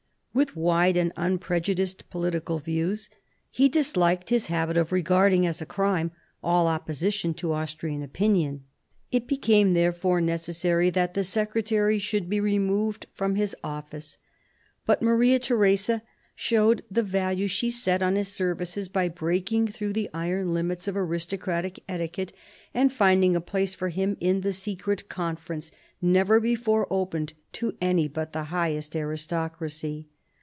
With wide and unprejudiced political views, he disliked his habit of regarding as a crime all opposition to Austrian opinion. It became therefore necessary that the secretary should be removed from his office. But Maria Theresa showed the value she set on his services by breaking through the iron limits of aristocratic etiquette, and finding a place for him in the secret Conference, never before opened to any but the highest aristocracy.